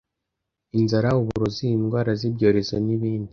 inzara uburozi, indwara z’ibyorezo n’ibindi.